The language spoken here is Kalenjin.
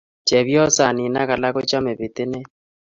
Chepyosonin ak alak kochome pitinet.